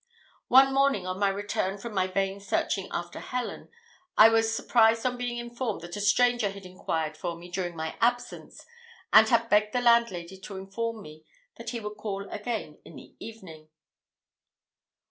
One morning, on my return from my vain searching after Helen, I was surprised on being informed that a stranger had inquired for me during my absence, and had begged the landlady to inform me that he would call again in the evening.